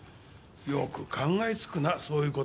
よく考えつくなそういう事。